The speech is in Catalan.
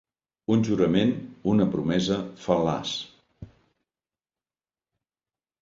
Un jurament, una promesa, fal·laç.